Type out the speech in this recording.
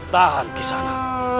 tahan kisah tuna